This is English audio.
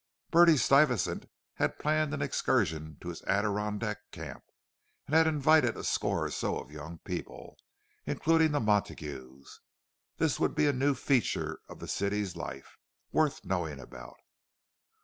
Bertie Stuyvesant had planned an excursion to his Adirondack camp, and had invited a score or so of young people, including the Montagues. This would be a new feature of the city's life, worth knowing about.